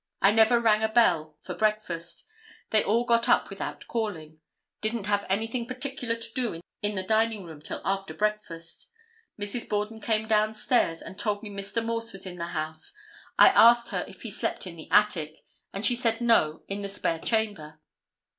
I never rang a bell for breakfast. They all got up without calling. Didn't have anything particular to do in the dining room till breakfast. Mrs. Borden came down stairs and told me Mr. Morse was in the house. I asked her if he slept in the attic, and she said no, in the spare chamber.